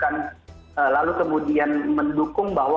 gaji bukan lalu kemudian mendukung bahwa